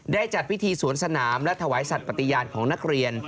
จัดพิธีสวนสนามและถวายสัตว์ปฏิญาณของนักเรียน